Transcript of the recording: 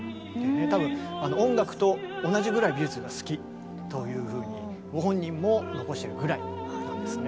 多分音楽と同じぐらい美術が好きというふうにご本人も残しているぐらいなんですね。